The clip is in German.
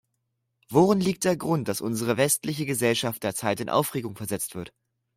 Worin liegt der Grund, dass unsere westliche Gesellschaft derzeit in Aufregung versetzt wird?